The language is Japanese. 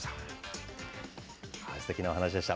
すてきなお話でした。